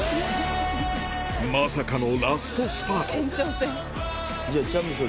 まさかのラストスパートえっ